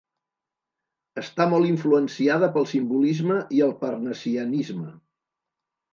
Està molt influenciada pel simbolisme i el parnassianisme.